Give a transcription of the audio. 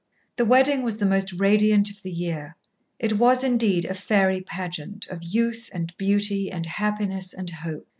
The wedding was the most radiant of the year. It was indeed a fairy pageant, of youth and beauty, and happiness and hope.